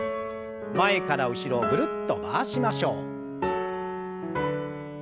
前から後ろぐるっと回しましょう。